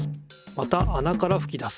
またあなからふき出す。